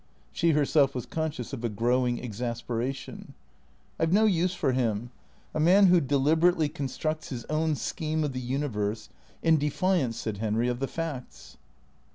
She herself was conscious of a growing exasperation. " I 've no use for him. A man who deliberately constructs his own scheme of the universe, in defiance," said Henry, " of the facts."